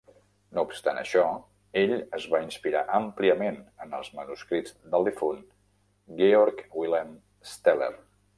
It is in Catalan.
No obstant això, ell es va inspirar àmpliament en els manuscrits del difunt Georg Wilhelm Steller